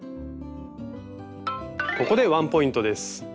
ここでワンポイントです。